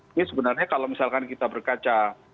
ini sebenarnya kalau misalkan kita berkaca